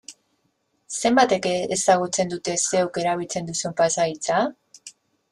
Zenbatek ezagutzen dute zeuk erabiltzen duzun pasahitza?